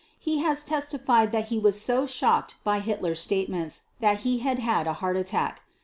He has testified that he was so shocked by Hitler's statements that he had a heart attack.